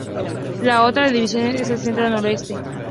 La otra división es el Centro Noroeste.